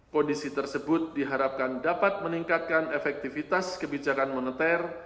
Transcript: kondisi tersebut diharapkan dapat meningkatkan efektivitas kebijakan moneter